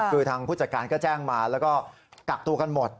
คือทางผู้จัดการก็แจ้งมาแล้วก็กักตัวกันหมด